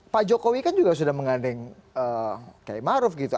pak jokowi kan juga sudah mengandeng kiai maruf gitu